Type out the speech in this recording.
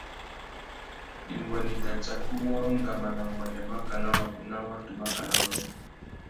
Imbuênê i tà tsaka uwôrrô ngama nà nguêndê makana wagunú wa watu makana mamú.